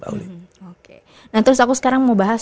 oke nah terus aku sekarang mau bahas